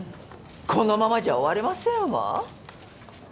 このままじゃ終われませんわ。